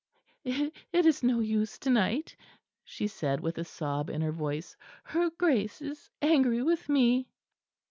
"It is no use to night," she said, with a sob in her voice; "her Grace is angry with me."